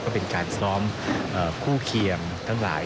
ก็เป็นการซ้อมคู่เคียงทั้งหลาย